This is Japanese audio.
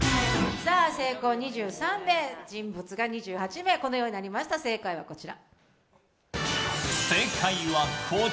成功２３名、沈没が２８名、このようになりました正解はこちら。